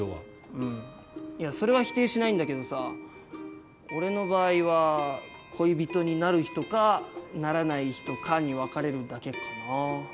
うんいやそれは否定しないんだけどさ俺の場合は恋人になる人かならない人かに分かれるだけかなぁ。